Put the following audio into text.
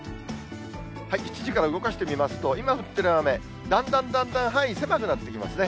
７時から動かしてみますと、今降ってる雨、だんだんだんだん範囲狭くなってきますね。